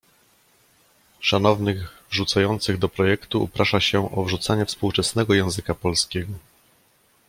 Szanownych wrzucających do projektu uprasza się o wrzucanie współczesnego języka polskiego.